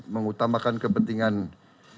mengutamakan kepentingan rakyat